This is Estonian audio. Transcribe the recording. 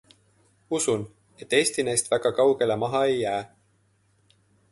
Usun, et Eesti neist väga kaugele maha ei jää.